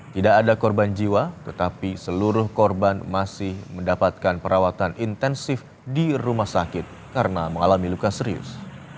tidak ada korban jiwa tetapi seluruh korban masih mendapatkan perawatan intensif di rumah sakit karena mengalami luka serius